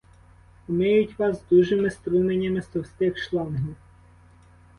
Омиють вас – дужими струменями з товстих шлангів